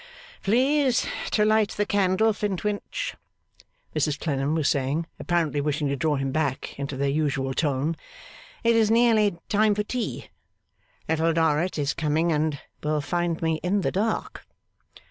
'Please to light the candle, Flintwinch,' Mrs Clennam was saying, apparently wishing to draw him back into their usual tone. 'It is nearly time for tea. Little Dorrit is coming, and will find me in the dark.